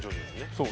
そう。